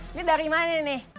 ini dari mana ini